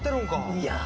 いや。